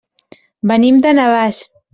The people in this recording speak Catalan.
Venim de Navàs.